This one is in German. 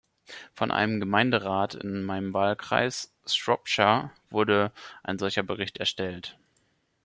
Von einem Gemeinderat in meinem Wahlkreis, Shropshire, wurde ein solcher Bericht erstellt.